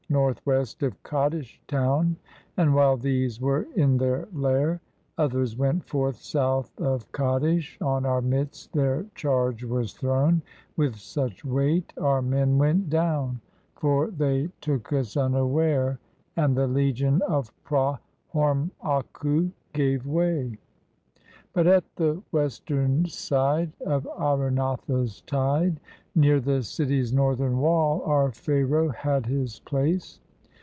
Northwest of Kadesh town; And while these were in their lair. Others went forth south of Kadesh, on our midst, their charge was thrown With such weight, our men went down, 154 THE VICTORY OVER THE KHITA For they took us iinaware, And the legion of Pra Horaiakhu gave way. But at the western side Of Arunatha's tide, Near the city's northern wall, our Pharaoh had his place.